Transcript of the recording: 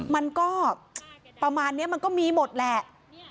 มันก็ประมาณนี้มันก็มีหมดแหละ